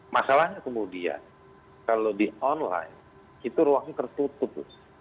masalahnya kemudian kalau di online itu ruangnya tertutup